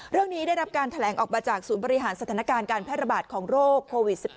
ได้รับการแถลงออกมาจากศูนย์บริหารสถานการณ์การแพร่ระบาดของโรคโควิด๑๙